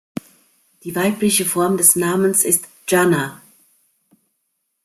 Die weibliche Form des Namens ist "Gianna".